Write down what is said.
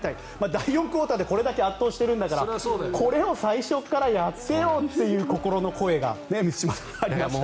第４クオーターでこれだけ圧倒してるんだからこれを最初からやってよっていう心の声が満島さん、ありましたね。